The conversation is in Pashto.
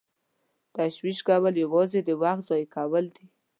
تشویش کول یوازې د وخت ضایع کول دي.